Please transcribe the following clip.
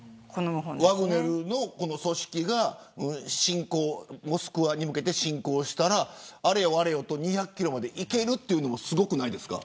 ワグネルの組織がモスクワに向けて侵攻したらあれよあれよと２００キロまでいけるというのもすごくないですか。